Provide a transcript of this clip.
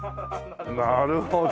なるほど。